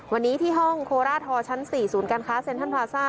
วันนี้ที่ห้องโคราชทอชั้น๔ศูนย์การค้าเซ็นทรัลพลาซ่า